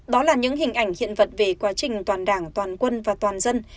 đó là những hình ảnh hiện vật về quá trình toàn đảng toàn quân và toàn dân